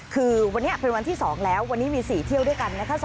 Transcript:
คือวันนี้เป็นวันที่๒แล้ววันนี้มี๔เที่ยวด้วยกันนะคะ